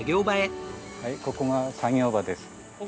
はいここが作業場です。